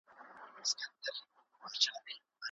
د امیندوارۍ پر مهال ډاکټر ته لاړ شئ.